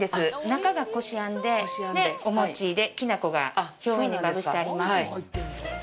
中がこし餡で、お餅で、きな粉が表面にまぶしてあります。